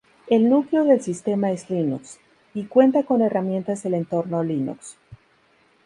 El núcleo del sistema es Linux, y cuenta con herramientas del entorno Linux.